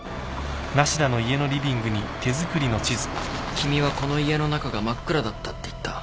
君はこの家の中が真っ暗だったって言った。